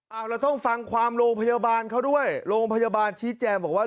เอาเราต้องฟังความโรงพยาบาลเขาด้วยโรงพยาบาลชี้แจงบอกว่า